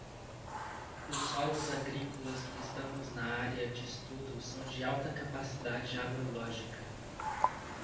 Os solos agrícolas que estamos na área de estudo são de alta capacidade agrológica.